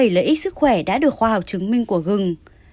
bảy lợi ích sức khỏe đã được khoa học chứng minh của gừng